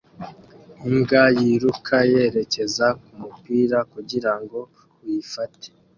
Imbwa yiruka yerekeza kumupira kugirango uyifate